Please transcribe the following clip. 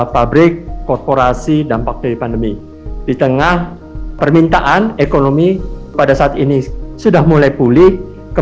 pabrik korporasi dampak dari pandemi di tengah permintaan ekonomi pada saat ini sudah mulai pulih ke